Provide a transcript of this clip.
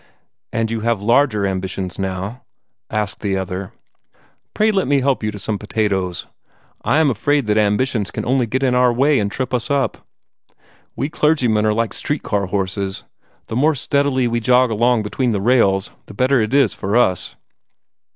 "And you have larger ambitions now?" asked the other. "Pray let me help you to some potatoes. I am afraid that ambitions only get in our way and trip us up. We clergymen are like street car horses. The more steadily we jog along between the rails, the better it is for us."